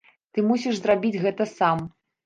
Ты мусіш зрабіць гэта сам.